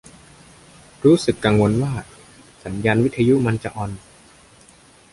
รู้สึกกังวลว่า สัญญาณวิทยุมันจะอ่อน